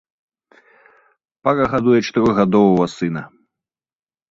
Пара гадуе чатырохгадовага сына.